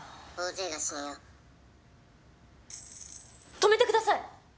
止めてください。